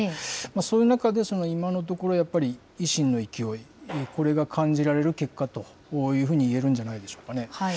そういう中で、今のところやっぱり、維新の勢い、これが感じられる結果というふうにいえるんじゃないでしょうかね。